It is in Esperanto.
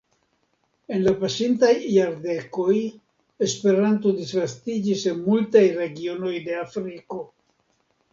En la pasintaj jardekoj Esperanto disvastiĝis en multaj regionoj de Afriko.